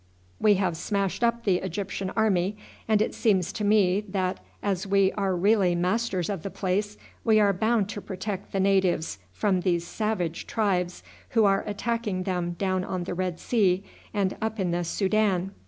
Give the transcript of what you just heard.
We have smashed up the Egyptian army, and it seems to me that as we are really masters of the place we are bound to protect the natives from these savage tribes who are attacking them down on the Red Sea and up in the Soudan.